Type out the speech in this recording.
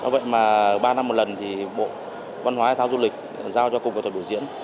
vậy mà ba năm một lần thì bộ văn hóa hệ thao du lịch giao cho cùng nghệ thuật đổi diễn